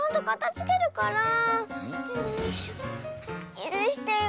ゆるしてよ。